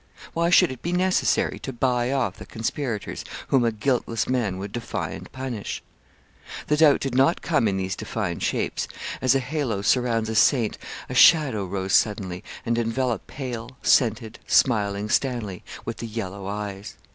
Why should it be necessary to buy off the conspirators whom a guiltless man would defy and punish? The doubt did not come in these defined shapes. As a halo surrounds a saint, a shadow rose suddenly, and enveloped pale, scented, smiling Stanley, with the yellow eyes.